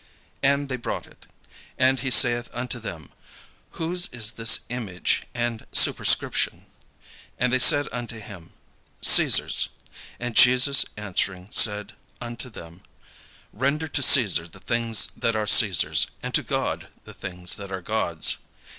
And they brought it. And he saith unto them, "Whose is this image and superscription?" And they said unto him, "Caesar's." And Jesus answering said unto them: "Render to Caesar the things that are Caesar's, and to God the things that are God's."